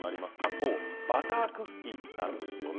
そうバタークッキーなんですよね。